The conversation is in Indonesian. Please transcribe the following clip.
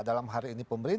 dalam hari ini